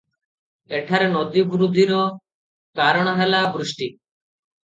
ଏଠାରେ ନଦୀ ବୃଦ୍ଧିର କାରଣ ହେଲା ବୃଷ୍ଟି ।